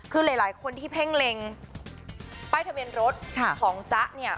คือหลายคนที่เพ่งเล็งป้ายทะเบียนรถของจ๊ะเนี่ย